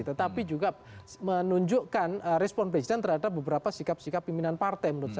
tetapi juga menunjukkan respon presiden terhadap beberapa sikap sikap pimpinan partai menurut saya